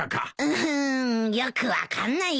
うんよく分かんないや。